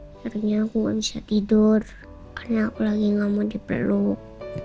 akhirnya aku nggak bisa tidur karena aku lagi ngomong dipeluk